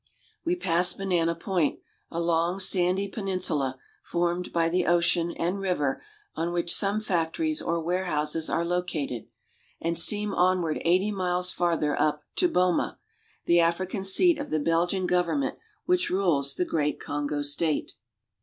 We pass Banana Point, a long, sandy peninsula, formed by the ocean and river, on which some factories or ware houses are located, and steam onward eighty miles farther up to Boma (b5'ma), the African seat of the Belgian government which rules the great Kongo State.